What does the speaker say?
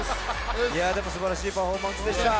いやでもすばらしいパフォーマンスでした。